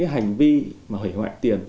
hành vi mà hủy hoại tiền